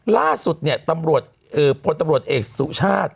ล่าสุดเนี่ยตำรวจพลตำรวจเอกสุชาติ